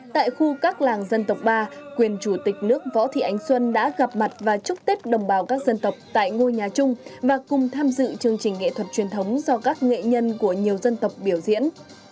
tại khu các làng dân tộc ba quyền chủ tịch nước võ thị ánh xuân đã gặp mặt và chúc tết đồng bào các dân tộc tại ngôi nhà chung và cùng tham dự chương trình nghệ thuật truyền thống do các nghệ nhân của nhiều dân tộc biểu diễn